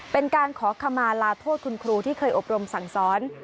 เป็นการขอขมาลาโทษคุณครูที่เคยอบรมสั่งสอน